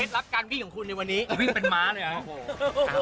เฮ็ดลับการบิ่งของคุณในวันนี้วิ่งเป็นม้าเลยอ่ะ